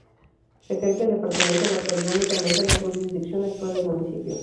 Se cree que el departamento abarcaría únicamente la jurisdicción actual del municipio.